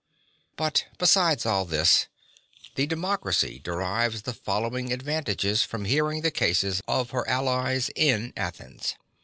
But besides all this the democracy derives the following advantages from hearing the cases of her allies in Athens.